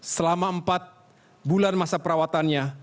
selama empat bulan masa perawatannya